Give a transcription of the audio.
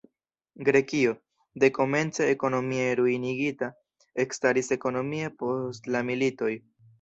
Grekio, dekomence ekonomie ruinigita, ekstaris ekonomie post la militoj.